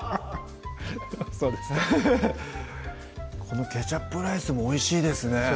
そうですかヘヘヘこのケチャップライスもおいしいですね